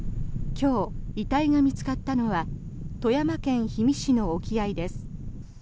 今日、遺体が見つかったのは富山県氷見市の沖合です。